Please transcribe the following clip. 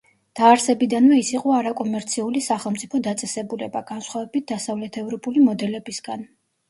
დაარსებიდანვე ის იყო არაკომერციული სახელმწიფო დაწესებულება, განსხვავებით დასავლეთევროპული მოდელებისგან.